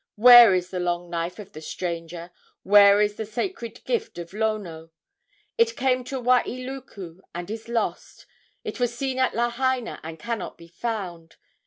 Where is the long knife of the stranger? Where is the sacred gift of Lono? It came to Wailuku and is lost, It was seen at Lahaina and cannot be found.